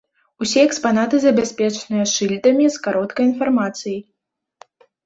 Усе экспанаты забяспечаныя шыльдамі з кароткай інфармацыяй.